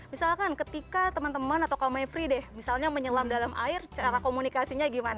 misalkan ketika teman teman atau kalau mayfrey deh misalnya menyelam dalam air cara komunikasinya gimana